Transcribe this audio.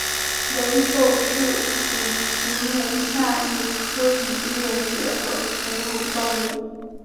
雷兽是奇蹄目下一科已灭绝的哺乳动物。